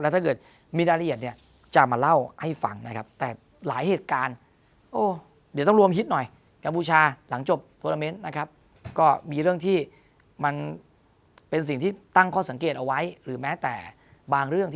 แล้วถ้าเกิดมีรายละเอียดจะมาเล่าให้ฟังนะครับ